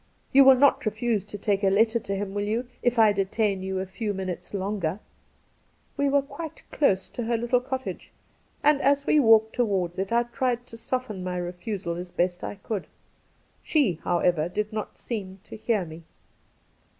You will not refuse to take a letter to him, will you, if I detain you a few minutes longer ?' We were quite close to her little cottage, and as we walked towards it I tried to soften my refusal as best I could. She, however, did not seem to hear me.